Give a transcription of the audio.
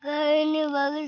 karlo li ini bagus kak